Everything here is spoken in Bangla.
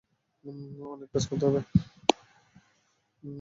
অনেক কাজ করতে হবে।